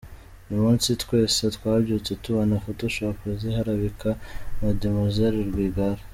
Uyu munsi twese twabyutse tubona photoshop ziharabika Mademoiselle Rwigara .